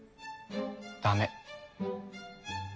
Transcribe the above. ダメ。